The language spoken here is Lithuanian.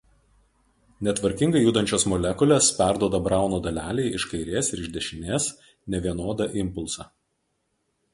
Netvarkingai judančios molekulės perduoda Brauno dalelei iš kairės ir iš dešinės nevienodą impulsą.